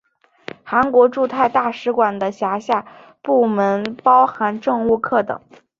韩国驻泰大使馆的辖下部门包含政务课等。